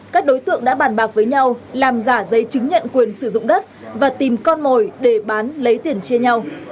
các đối tượng đã bàn bạc với nhau làm giả giấy chứng nhận quyền sử dụng đất và tìm con mồi để bán lấy tiền chia nhau